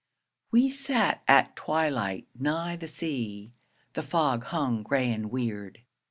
We sat at twilight nigh the sea, The fog hung gray and weird.